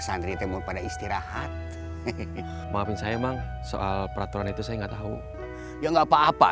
santri temur pada istirahat maafin saya emang soal peraturan itu saya nggak tahu yang apa apa